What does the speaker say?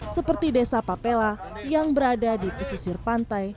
seperti desa papela yang berada di pesisir pantai